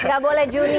gak boleh juni